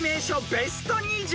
ベスト２０］